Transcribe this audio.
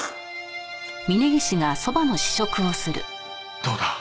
どうだ？